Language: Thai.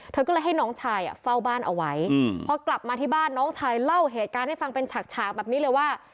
เธอก็เลยให้น้องชายเฝ้าบ้านเอาไว้พอกลับมาที่บ้านน้องชายเล่าเหตุการณ์ให้ฟังเป็นฉากแบบนี้เลยว่า